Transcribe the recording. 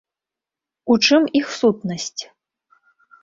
У чым іх сутнасць?